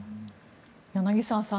柳澤さん